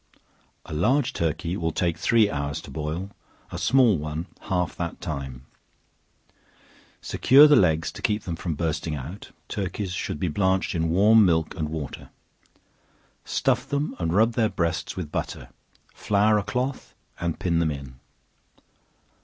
A large turkey will take three hours to boil a small one half that time; secure the legs to keep them from bursting out; turkeys should be blanched in warm milk and water; stuff them and rub their breasts with butter, flour a cloth and pin them in.